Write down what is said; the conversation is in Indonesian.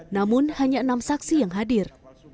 namun hanya enam saksi yang hadir